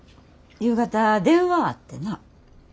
夕方電話あってな。